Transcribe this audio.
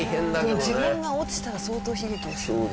でも自分が落ちたら相当悲劇ですよね。